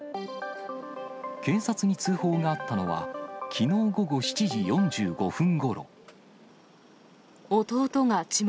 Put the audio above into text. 警察に通報があったのは、きのう午後７時４５分ごろ。